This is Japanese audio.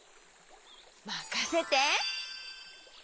まかせて！